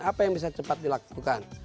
apa yang bisa cepat dilakukan